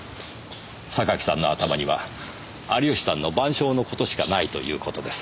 榊さんの頭には有吉さんの『晩鐘』のことしかないということです。